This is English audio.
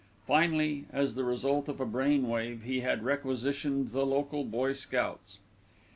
Finally as the result of a brain wave he had requisitioned the local boy scouts.